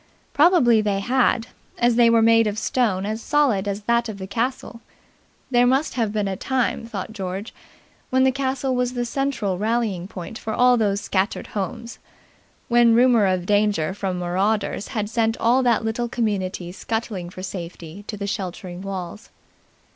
Probably they had, as they were made of stone as solid as that of the castle. There must have been a time, thought George, when the castle was the central rallying point for all those scattered homes; when rumour of danger from marauders had sent all that little community scuttling for safety to the sheltering walls.